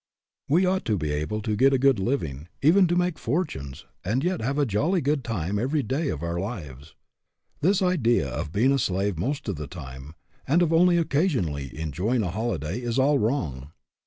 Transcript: We ought to be able to get a good living, even to make fortunes, and yet have a jolly good time every day of our lives. This idea of being a slave most of the time, and of only occasionally enjoying a holiday, is all wrong.